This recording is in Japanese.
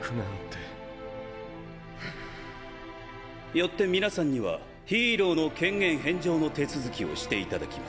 よって皆さんにはヒーローの権限返上の手続きをして頂きます。